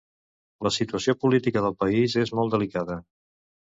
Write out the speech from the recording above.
La situació política del país és molt delicada.